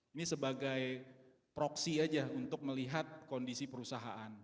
ini sebagai proksi aja untuk melihat kondisi perusahaan